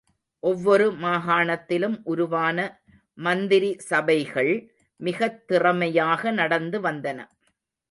ஒவ்வொரு மாகாணத்திலும் உருவான மந்திரி சபைகள் மிகத் திறமையாக நடந்து வந்தன.